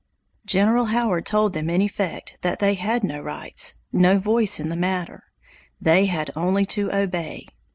General Howard told them in effect that they had no rights, no voice in the matter: they had only to obey.